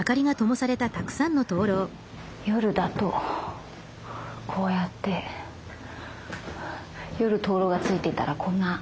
夜だとこうやって夜灯籠がついてたらこんなイメージなんだね。